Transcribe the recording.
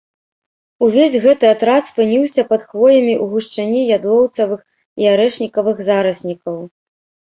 Увесь гэты атрад спыніўся пад хвоямі ў гушчыні ядлоўцавых і арэшнікавых зараснікаў.